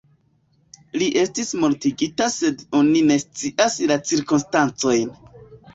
Li estis mortigita sed oni ne scias la cirkonstancojn.